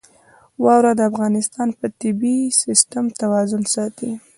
واوره د افغانستان د طبعي سیسټم توازن ساتي.